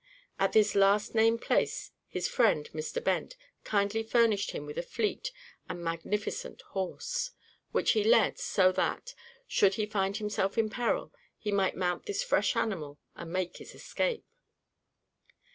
At this last named place his friend, Mr. Bent, kindly furnished him with a fleet and magnificent horse, which he led, so that, should he find himself in peril, he might mount this fresh animal and make his escape.